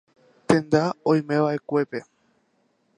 Tenda oimeva'ekuépe.